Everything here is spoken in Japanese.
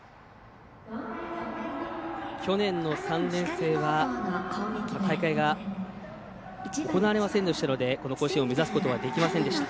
去年の３年生は大会が行われませんでしたのでこの甲子園を目指すことはできませんでした。